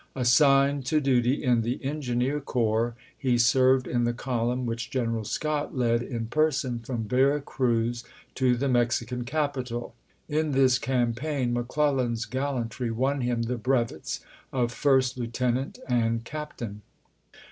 Assigned to duty in the engineer corps, he served in the column which General Scott led in person from Vera Cruz to the Mexican capital. In this campaign McClellan's gallantry won him the brev ets of first lieutenant and captain.